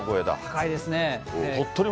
高いですね。